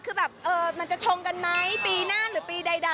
เออคือแบบเออมันจะชงกันไหมปีหน้าหรือปีเดดา